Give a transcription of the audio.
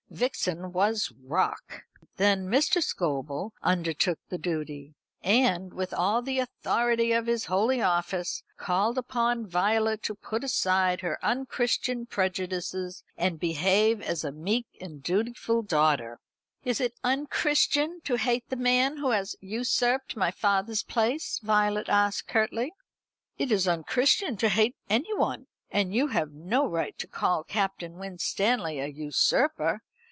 Vixen was rock. Then Mr. Scobel undertook the duty, and, with all the authority of his holy office, called upon Violet to put aside her unchristian prejudices, and behave as a meek and dutiful daughter. "Is it unchristian to hate the man who has usurped my father's place?" Violet asked curtly. "It is unchristian to hate anyone. And you have no right to call Captain Winstanley a usurper.